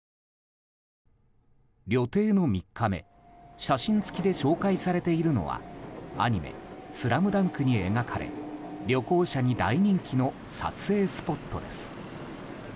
旅程の３日目写真付きで紹介されているのはアニメ「ＳＬＡＭＤＵＮＫ」に描かれ旅行者に大人気の撮影スポットです。